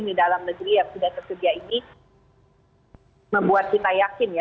jadi ini dalam negeri yang sudah tersedia ini membuat kita yakin ya